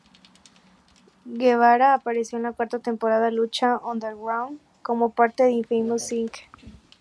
Guevara apareció en la cuarta temporada Lucha Underground como parte de Infamous Inc.